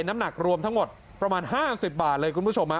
น้ำหนักรวมทั้งหมดประมาณ๕๐บาทเลยคุณผู้ชม